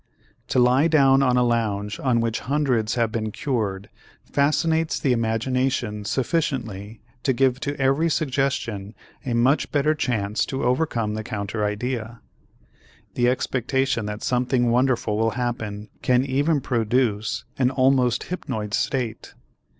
To lie down on a lounge on which hundreds have been cured fascinates the imagination sufficiently to give to every suggestion a much better chance to overcome the counter idea. The expectation that something wonderful will happen can even produce an almost hypnoid state.